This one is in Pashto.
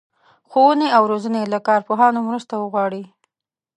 ښوونې او روزنې له کارپوهانو مرسته وغواړي.